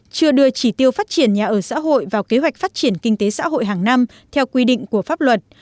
chưa đưa chỉ tiêu phát triển nhà ở xã hội vào kế hoạch phát triển kinh tế xã hội hàng năm theo quy định của pháp luật